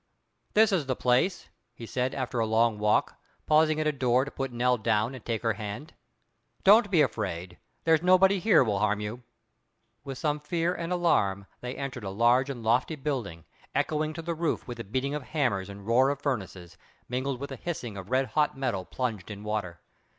"This is the place," he said, after a long walk, pausing at a door to put Nell down and take her hand. "Don't be afraid; there's nobody here will harm you." With some fear and alarm they entered a large and lofty building, echoing to the roof with the beating of hammers and roar of furnaces, mingled with the hissing of red hot metal plunged in water.